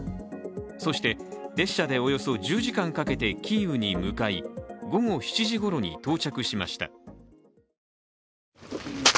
そして列車でおよそ１０時間かけてキーウに向かい、午後７時ごろに到着しました。